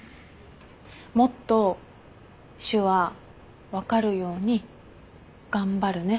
もっと手話分かるように頑張るね。